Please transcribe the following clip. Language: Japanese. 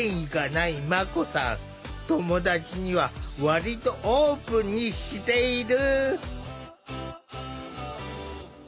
友達には割とオープンにしている。